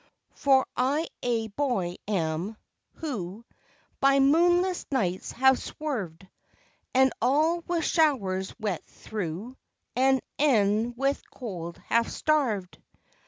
For I a boy am, who By moonless nights have swerved; And all with showers wet through, And e'en with cold half starved.